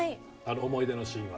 思い出のシーンは。